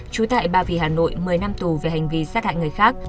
trú tại ba vì hà nội một mươi năm tù về hành vi sát hại người khác